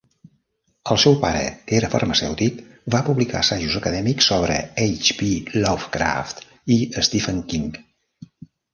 El seu pare, que era farmacèutic, va publicar assajos acadèmics sobre H. P. Lovecraft i Stephen King.